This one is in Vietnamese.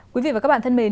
quý vị và các bạn thân mến